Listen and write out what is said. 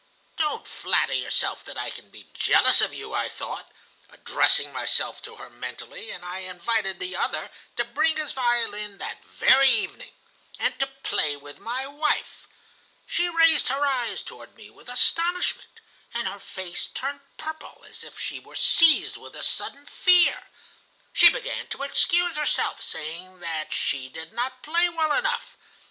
'Don't flatter yourself that I can be jealous of you,' I thought, addressing myself to her mentally, and I invited the other to bring his violin that very evening, and to play with my wife. She raised her eyes toward me with astonishment, and her face turned purple, as if she were seized with a sudden fear. She began to excuse herself, saying that she did not play well enough.